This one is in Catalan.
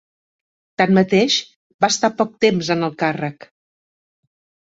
Tanmateix va estar poc temps en el càrrec.